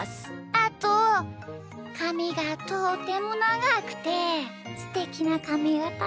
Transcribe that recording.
あとかみがとってもながくてすてきなかみがたでしょ？